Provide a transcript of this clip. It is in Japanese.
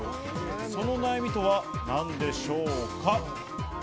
その悩みとは一体何でしょうか？